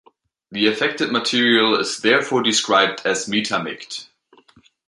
The affected material is therefore described as metamict.